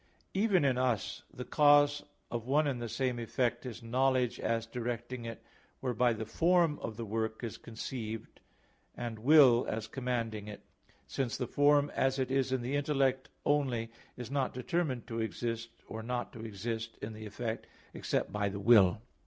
4: Even in us the cause of one and the same effect is knowledge as directing it, whereby the form of the work is conceived, and will as commanding it, since the form as it is in the intellect only is not determined to exist or not to exist in the effect, except by the will.